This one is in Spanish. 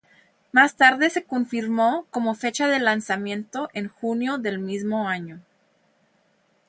Más tarde se confirmó como fecha de lanzamiento en junio del mismo año.